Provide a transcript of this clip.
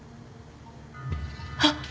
あっ！